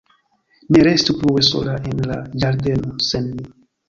Ne restu plue sola en la ĝardeno, sen mi!